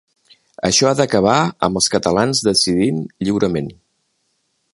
Això ha d’acabar amb els catalans decidint lliurement.